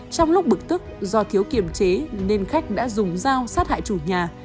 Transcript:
trong lúc bực tức do thiếu kiềm chế nên khách đã dùng dao sát hại chủ nhà